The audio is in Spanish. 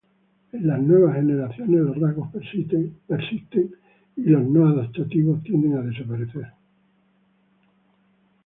En las nuevas generaciones, los rasgos persisten, y los no adaptativos tienden a desaparecer.